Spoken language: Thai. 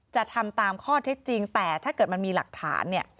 จะทำตามข้อเท็จจริงแต่ถ้าเกิดมันมีหลักฐานเนี่ย